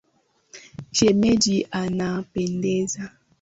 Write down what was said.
Shemeji anapendeza.